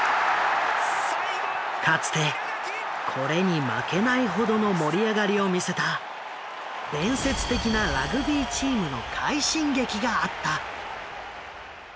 かつてこれに負けないほどの盛り上がりを見せた伝説的なラグビーチームの快進撃があった。